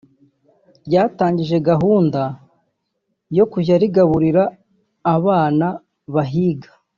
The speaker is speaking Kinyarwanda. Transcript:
ryatangije gahunda yo kujya rigaburira abana bahiga